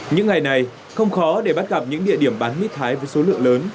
những ngày này không khó để bắt gặp những địa điểm bán mít thái với số lượng lớn